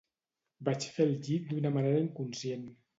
Vaig fer el llit d’una manera inconscient.